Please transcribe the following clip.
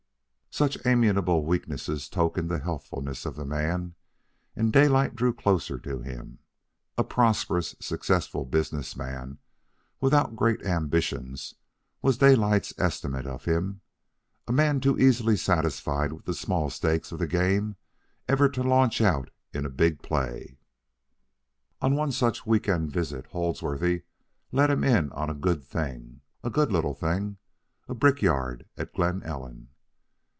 Such amiable weaknesses tokened the healthfulness of the man, and drew Daylight closer to him. A prosperous, successful business man without great ambition, was Daylight's estimate of him a man too easily satisfied with the small stakes of the game ever to launch out in big play. On one such week end visit, Holdsworthy let him in on a good thing, a good little thing, a brickyard at Glen Ellen.